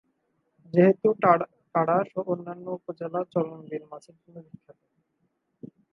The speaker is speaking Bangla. যেহেতু তাড়াশ ও অন্যান্য উপজেলা চলন বিল মাছের জন্য বিখ্যাত।